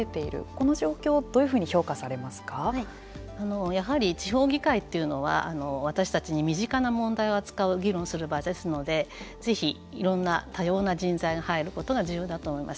この状況をやはり地方議会というのは私たちに身近な問題を扱う議論する場ですのでいろんな多様な人材が入ることが重要だと思います。